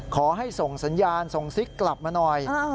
ขอให้ส่งสัญญาณส่งซิกกลับมาหน่อย